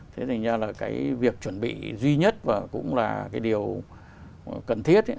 thế thì nha là cái việc chuẩn bị duy nhất và cũng là cái điều cần thiết ấy